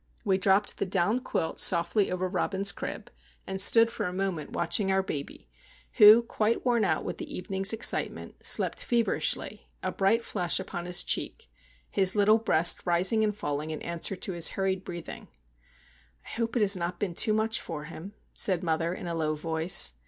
We dropped the down quilt softly over Robin's crib, and stood for a moment watching our baby, who, quite worn out with the evening's excitement, slept feverishly, a bright flush upon his cheek, his little breast rising and falling in answer to his hurried breathing. "I hope it has not been too much for him," said mother, in a low voice.